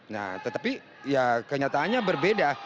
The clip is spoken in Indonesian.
nah tetapi ya kenyataannya berbeda